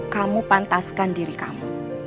kamu pantaskan diri kamu